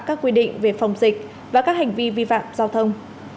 các quy định về phòng dịch và các hành vi vi phạm giao thông